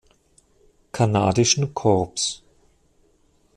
Kanadischen Korps.